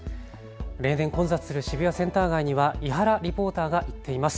例年、混雑する渋谷センター街には伊原リポーターが行っています。